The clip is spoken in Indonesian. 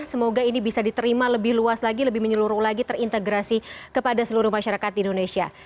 semoga ini bisa diterima lebih luas lagi lebih menyeluruh lagi terintegrasi kepada seluruh masyarakat di indonesia